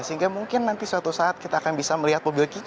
sehingga mungkin nanti suatu saat kita akan bisa melihat mobil kick